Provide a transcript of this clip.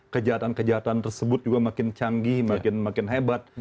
kejahatan kejahatan tersebut juga makin canggih makin hebat